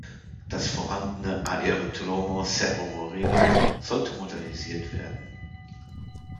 Das vorhandene "Aeródromo Cerro Moreno" sollte modernisiert werden.